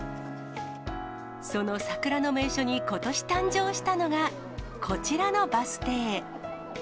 その桜の名所にことし誕生したのが、こちらのバス停。